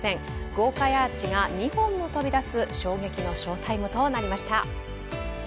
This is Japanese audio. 豪快アーチが２本も飛び出す衝撃の翔タイムとなりました。